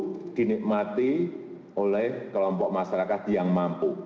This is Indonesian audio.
ini harus dinikmati oleh kelompok masyarakat yang mampu